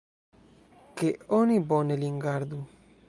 Ke oni bone lin gardu!